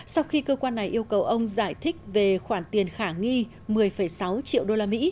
sau khi cơ quan này yêu cầu ông giải thích về khoản tiền khả nghi một mươi sáu triệu usd